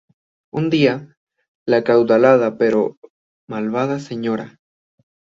Un día, la acaudalada pero malvada Sra.